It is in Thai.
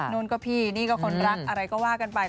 นู่นก็พี่นี่ก็คนรักอะไรก็ว่ากันไป